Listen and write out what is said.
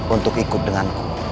untuk ikut denganku